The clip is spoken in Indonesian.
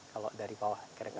kalau dari bawah